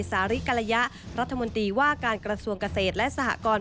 สาริกรยะรัฐมนตรีว่าการกระทรวงเกษตรและสหกร